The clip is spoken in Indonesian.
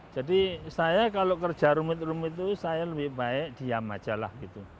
jadi saya kalau kerja rumit rumit itu saya lebih baik diam saja lah